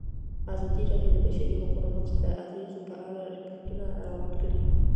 ازادي راډیو د د بشري حقونو نقض د اغېزو په اړه ریپوټونه راغونډ کړي.